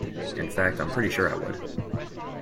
In fact, I'm pretty sure I would.